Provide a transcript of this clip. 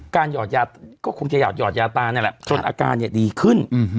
การหยอดยาก็คงจะหยอดหยอดยาตาเนี่ยแหละจนอาการเนี่ยดีขึ้นอืม